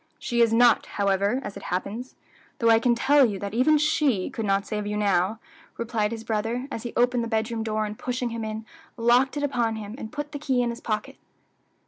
"She is not, however, as it happens, though I can tell you that even she could not save you now," replied his brother, as he opened the bedroom door, and pushing him in, locked it upon him, and put the key in his pocket.